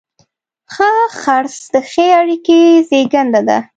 ښه خرڅ د ښې اړیکې زیږنده ده.